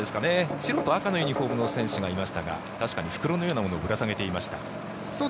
白と赤のユニホームの選手がいますが確かに袋のようなものをぶら下げていました。